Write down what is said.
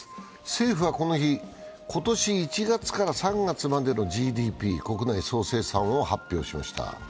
政府はこの日、今年１月から３月までのＧＤＰ＝国内総生産を発表しました。